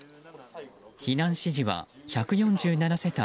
避難指示は１４７世帯